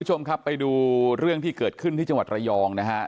คุณผู้ชมครับไปดูเรื่องที่เกิดขึ้นที่จังหวัดระยองนะฮะ